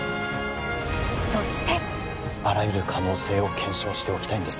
あらゆる可能性を検証しておきたいんです